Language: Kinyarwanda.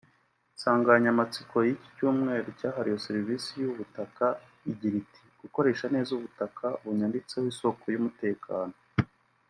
Insanganyamatsiko yicyumweru cyahariwe serivisi z’ubutaka igira iti ‘Gukoresha neza ubutaka bunyanditseho isoko y’umutekano n’iterambere ryanjye’